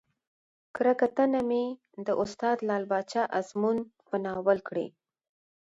کره کتنه مې د استاد لعل پاچا ازمون په ناول کړى